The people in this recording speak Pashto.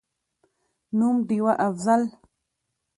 نوم: ډېوه«افضل»